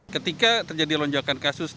ketika terjadi lonjakan kasus